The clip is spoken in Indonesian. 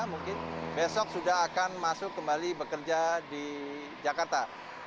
mungkin besok sudah akan masuk kembali bekerja di jakarta